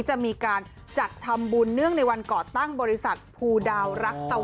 จะมีการจัดทำบุญเนื่องในวันก่อตั้งบริษัทภูดาวรักตะวัน